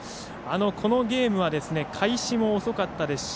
このゲームは開始も遅かったです。